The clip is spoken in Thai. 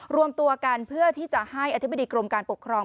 รวมตัวกันเพื่อที่จะให้อธิบดีกรมการปกครอง